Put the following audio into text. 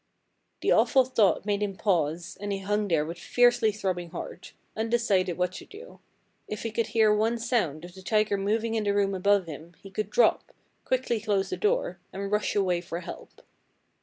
"The awful thought made him pause, and he hung there with fiercely throbbing heart, undecided what to do. If he could hear one sound of the tiger moving in the room above him he could drop, quickly close the door, and rush away for help.